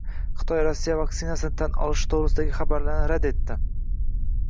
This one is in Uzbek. Xitoy Rossiya vaksinasini tan olishi to‘g‘risidagi xabarlarni rad etdi